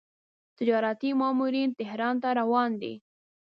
تجارتي ماموریت تهران ته روان دی.